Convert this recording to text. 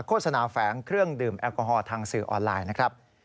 โฆษณาแฝงเครื่องดื่มแอลกอฮอล์ทางสื่อออนไลน์นะครับ